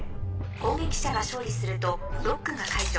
攻撃者が勝利するとロックが解除。